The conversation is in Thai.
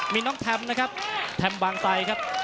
มีน้องแทมนะครับแทม์บางไซครับ